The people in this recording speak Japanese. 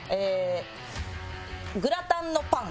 グラタンのパン？